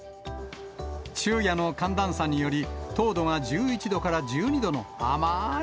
昼夜の寒暖差により、糖度が１１度から１２度の甘ーい